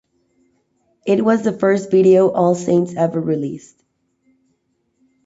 It was the first video All Saints ever released.